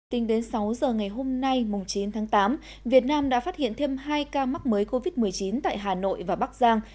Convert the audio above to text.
tính đến sáu giờ ngày hôm nay chín tháng tám việt nam đã phát hiện thêm hai ca mắc mới covid một mươi chín tại hà nội và bắc giang